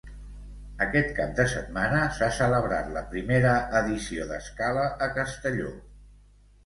Aquest cap de setmana s'ha celebrat la primera edició d'Escala a Castelló.